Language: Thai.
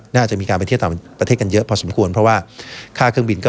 น่าจะมีการไปเที่ยวต่างประเทศกันเยอะพอสมควรเพราะว่าค่าเครื่องบินก็